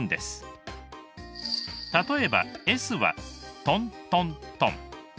例えばＳはトントントン。